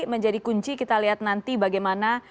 menjadi kunci kita lihat nanti bagaimana